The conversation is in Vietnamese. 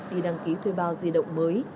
đi đăng ký thuê bao di động mới